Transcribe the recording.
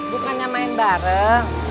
bukannya main bareng